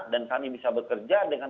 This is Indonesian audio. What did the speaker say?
dan kami bisa bekerja dengan